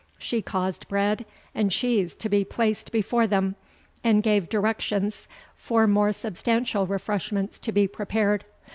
She caused bread and cheese to be placed before them, and gave directions for more substantial refreshments to be prepared.